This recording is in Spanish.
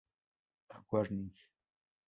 A warning".